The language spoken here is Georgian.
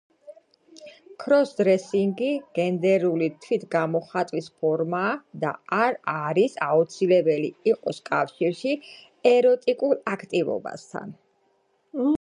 ქროს-დრესინგი გენდერული თვითგამოხატვის ფორმაა და არ არის აუცილებელი იყოს კავშირში ეროტიკულ აქტივობასთან.